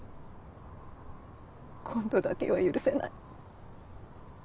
今度だけは許せない。